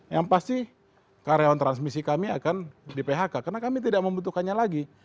yang pasti karyawan transmisi kami akan di phk karena kami tidak membutuhkannya lagi